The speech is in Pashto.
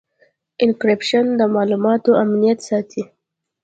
انکریپشن د معلوماتو امنیت ساتي.